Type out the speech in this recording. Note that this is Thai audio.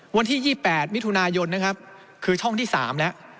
วันที่๒๘มิถุนายนนะครับคือช่องที่๓แล้ว